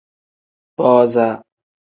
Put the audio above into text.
Booza.